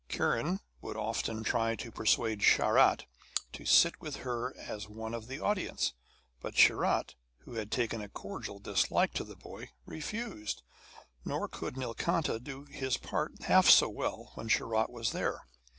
Kiran would often try to persuade Sharat to sit with her as one of the audience, but Sharat, who had taken a cordial dislike to the boy, refused, nor could Nilkanta do his part half so well when Sharat was there.